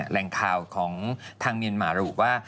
แรงข่าวของทางเมียนหมารู้ว่า